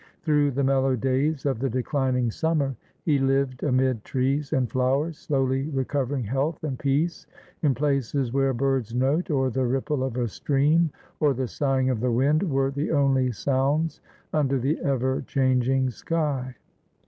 Through the mellow days of the declining summer, he lived amid trees and flowers, slowly recovering health and peace in places where a bird's note, or the ripple of a stream, or the sighing of the wind, were the only sounds under the ever changing sky.